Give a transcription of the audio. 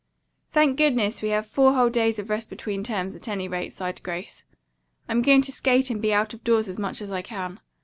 "Thank goodness, we have four whole days of rest between terms at any rate," sighed Grace. "I'm going to skate and be out of doors as much as I can.